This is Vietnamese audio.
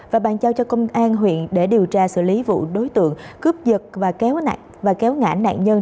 và bàn giao cho công an huyện để điều tra xử lý vụ đối tượng cướp giật và kéo ngã nạn nhân